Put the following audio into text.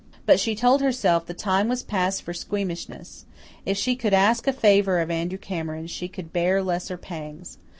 But, she told herself, the time was past for squeamishness. If she could ask a favour of Andrew Cameron, she could bear lesser pangs.